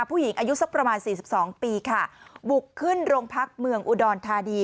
ผู้หญิงอายุสักประมาณสี่สิบสองปีค่ะบุกขึ้นโรงพักเมืองอุดรธานี